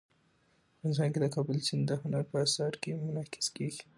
افغانستان کې د کابل سیند د هنر په اثار کې منعکس کېږي.